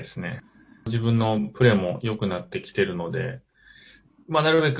自分のプレーもよくなってきているのでなるべく